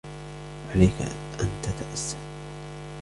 عليك أن تتأسف.